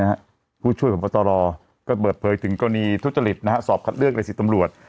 ผู้ช่วยพบตรก็เปิดเผยถึงกรณีทุจริตนะฮะสอบคัดเลือกในสิทธิ์ตำรวจ